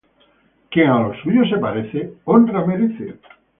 Quien a los suyos se parece, honra merece